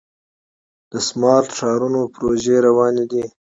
د سمارټ ښارونو پروژې روانې دي.